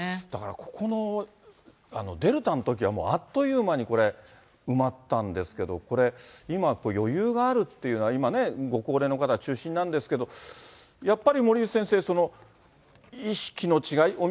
だからここの、デルタのときはもうあっという間に、これ、埋まったんですけどこれ、今余裕があるというのは、今ね、ご高齢の方中心なんですけれども、やっぱり森内先生、意識の違い？